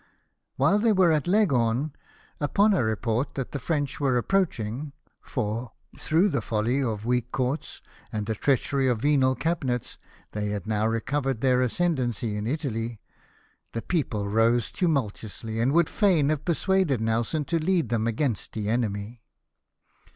While they were at Leg horn, upon a report that the French were approach ing (for, through the folly of weak courts, and the treachery of venal cabinets, they had now recovered their ascendency m Italy), the people rose tumultuously, and would fain have persuaded Nelson to lead them against the enemy.